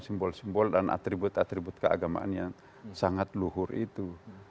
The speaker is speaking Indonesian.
simbol simbol dan atribut atribut keagamaan yang sangat luhur itu